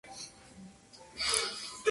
Goldberg vive en Phoenix, Arizona.